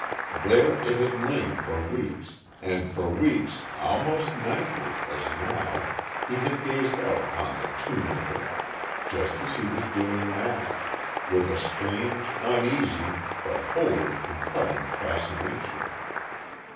There it had lain for weeks, and for weeks, almost nightly, as now, he had gazed out upon the tomb of it just as he was doing now with a strange, uneasy, but wholly compelling fascination.